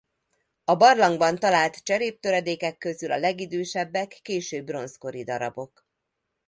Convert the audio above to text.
A barlangban talált cseréptöredékek közül a legidősebbek késő bronzkori darabok.